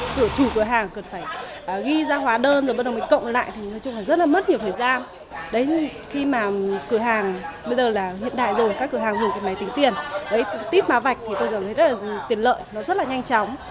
bây giờ là hiện đại rồi các cửa hàng dùng cái máy tính tiền tiếp mã vạch thì tôi thấy rất là tiện lợi nó rất là nhanh chóng